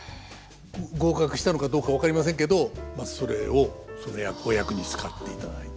合格したのかどうか分かりませんけどそれをそのお役に使っていただいて。